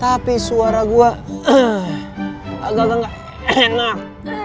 tapi suara gue agak agak nggak enak